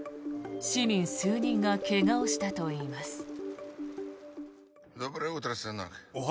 市民数人が怪我をしたといいます。